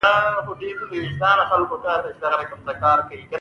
جنوبي سیمه یې د بخارا خانانو یوه برخه ګڼل کېده.